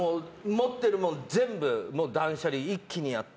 持ってるもの全部断捨離一気にやって。